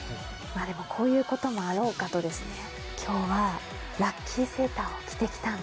こういうこともあろうかと、今日はラッキーセーターを着てきたんで。